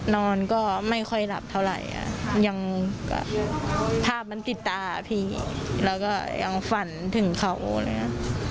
นอนก็ไม่ค่อยหลับเท่าไหร่อ่ะยังภาพมันติดตาพี่แล้วก็ยังฝันถึงเขาอะไรอย่างนี้